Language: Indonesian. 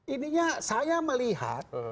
ininya saya melihat